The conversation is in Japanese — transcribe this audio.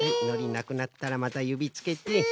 のりなくなったらまたゆびつけて。